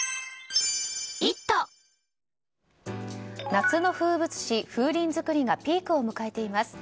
夏の風物詩、風鈴作りがピークを迎えています。